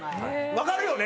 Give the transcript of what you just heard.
分かるよね？